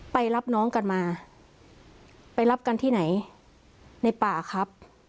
ไปรับน้องกันมาไปรับกันที่ไหนในป่าครับ